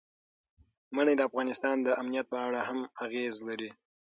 منی د افغانستان د امنیت په اړه هم اغېز لري.